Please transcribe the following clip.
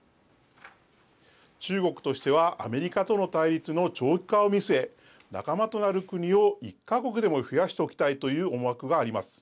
中国としては、アメリカとの対立の長期化を見据え仲間となる国を１か国でも増やしておきたいという思惑があります。